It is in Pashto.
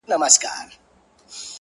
خدایه قربان دي، در واری سم، صدقه دي سمه،